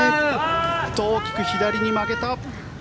大きく左に曲げた。